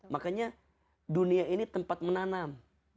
makanya dunia ini tempat menanam